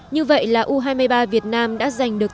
như vậy là u hai mươi ba việt nam đã giành được